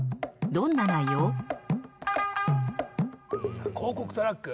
さあ広告トラック。